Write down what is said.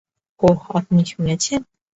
ওহ, আপনি শুনেছেন?